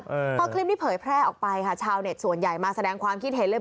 เพราะคลิปนี้เผยแพร่ออกไปค่ะชาวเน็ตส่วนใหญ่มาแสดงความคิดเห็นเลย